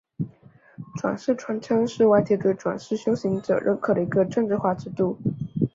转世传承是外界对转世修行者认可的一个政治化制度。